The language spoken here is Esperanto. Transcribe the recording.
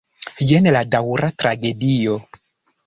Jen la daŭra tragedio.